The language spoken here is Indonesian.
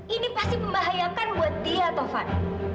ini pasti pembahayakan buat dia taufan